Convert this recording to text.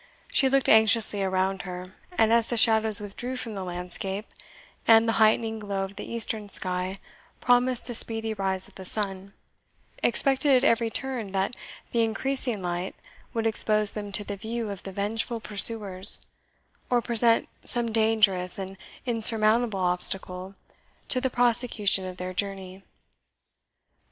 She looked anxiously around her, and as the shadows withdrew from the landscape, and the heightening glow of the eastern sky promised the speedy rise of the sun, expected at every turn that the increasing light would expose them to the view of the vengeful pursuers, or present some dangerous and insurmountable obstacle to the prosecution of their journey.